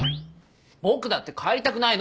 僕だって帰りたくないの！